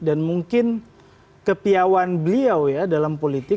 dan mungkin kepiawan beliau ya dalam politik